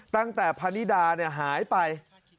ตั้งแต่พนิดาหายไป